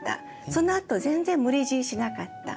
そのあと全然無理強いしなかった。